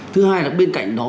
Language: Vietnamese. thứ hai là bên cạnh đó